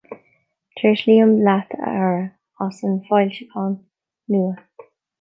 Tréaslaím leat a Aire as an bhfoilseachán nua.